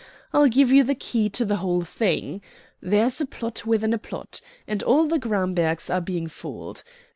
I'll give you the key to the whole thing. There's a plot within a plot, and all the Grambergs are being fooled.